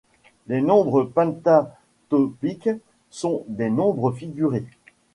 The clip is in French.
Les nombres pentatopiques sont des nombres figurés.